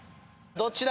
どっちだ？